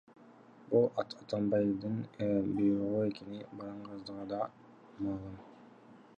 Бул Атамбаевдин буйругу экени баарыңыздарга маалым .